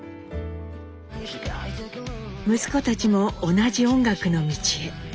息子たちも同じ音楽の道へ。